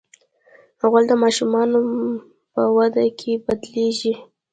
غول د ماشومانو په وده کې بدلېږي.